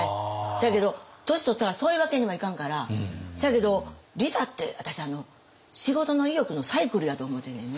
せやけど年とったらそういうわけにはいかんからせやけど利他って私仕事の意欲のサイクルやと思うてんねんね。